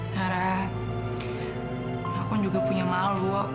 karena aku juga punya malu